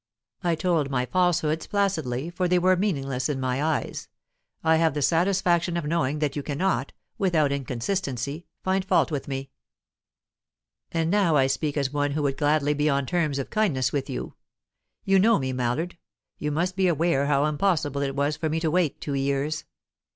I told my falsehoods placidly, for they were meaningless in my eyes. I have the satisfaction of knowing that you cannot, without inconsistency, find fault with me. "And now I speak as one who would gladly be on terms of kindness with you. You know me, Mallard; you must be aware how impossible it was for me to wait two years.